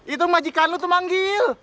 itu majikan lu tuh manggil